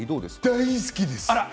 大好きです。